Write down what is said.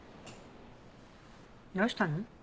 どうしたの？